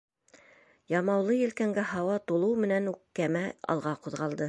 Ямаулы елкәнгә һауа тулыу менән үк кәмә алға ҡуҙғалды.